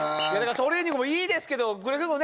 トレーニングもいいですけどくれぐれもね